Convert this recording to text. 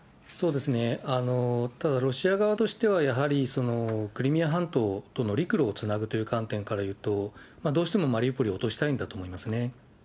ただロシア側としては、やはりクリミア半島との陸路をつなぐという観点からいうと、どうしてもマリウポリを落としたいんだと思うんですね。